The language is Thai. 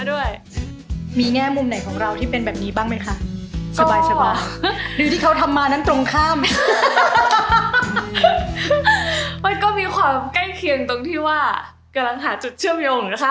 ไม่มีเนื้อทำมาเป็นดนตรีอย่างเดียวเลย